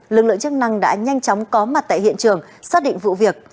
lực lượng chức năng đã nhanh chóng có mặt tại hiện trường xác định vụ việc